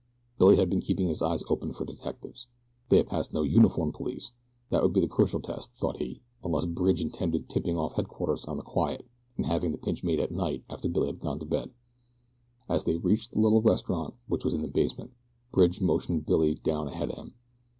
Billy had been keeping his eyes open for detectives. They had passed no uniformed police that would be the crucial test, thought he unless Bridge intended tipping off headquarters on the quiet and having the pinch made at night after Billy had gone to bed. As they reached the little restaurant, which was in a basement, Bridge motioned Billy down ahead of him.